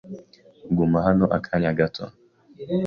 Guma hano akanya gato.